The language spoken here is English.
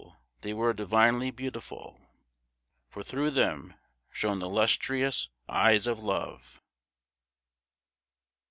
they were divinely beautiful, For through them shone the lustrous eyes of Love.